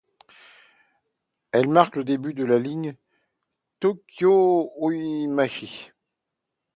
Elle marque le début de la ligne Tōkyū Ōimachi.